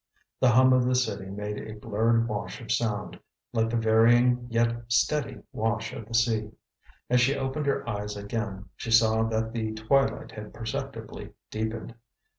The hum of the city made a blurred wash of sound, like the varying yet steady wash of the sea. As she opened her eyes again, she saw that the twilight had perceptibly deepened.